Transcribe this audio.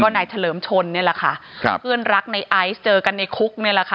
นายเถลมชนนั้นแหละค่ะเพื่อนรักไอศ์เจอกันในคุก